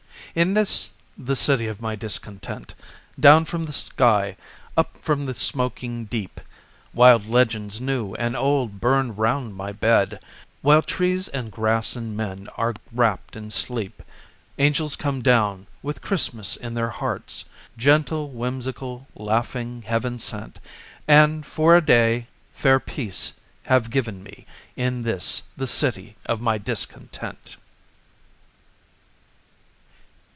In this, the City of my Discontent, Down from the sky, up from the smoking deep Wild legends new and old burn round my bed While trees and grass and men are wrapped in sleep. Angels come down, with Christmas in their hearts, Gentle, whimsical, laughing, heaven sent; And, for a day, fair Peace have given me In this, the City of my Discontent!